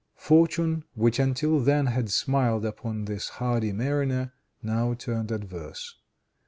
Fortune, which, until then, had smiled upon this hardy mariner, now turned adverse.